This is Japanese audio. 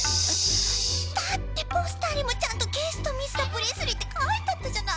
だってポスターにもちゃんと「ゲストミスタープレスリー」ってかいてあったじゃないの。